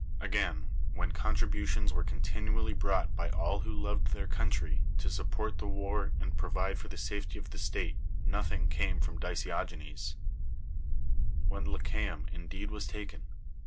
Again, when contributions were contiinially bi'ought by all who loved their country, to sri]v port the war and provide for the safety ot' ihe state, nothing came from Dica'ogcncs; whon Leehteu;n indeed was taken, and v.